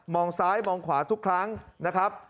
ซ้ายมองขวาทุกครั้งนะครับ